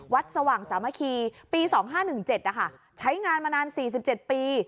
วัดสว่างสามะคีปี๒๕๑๗ใช้งานมานาน๔๗ปี